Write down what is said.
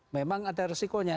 memang ada resikonya